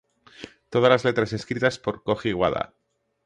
Todas las letras escritas por Kōji Wada.